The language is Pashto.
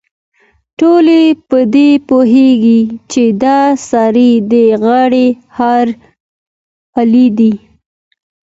ټول په دې پوهېږي، چې د سارې د غاړې هار علي دی.